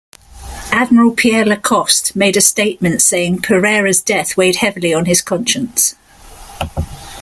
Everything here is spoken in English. Admiral Pierre Lacoste made a statement saying Pereira's death weighed heavily on his conscience.